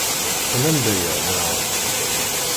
Tennam-d aya, naɣ?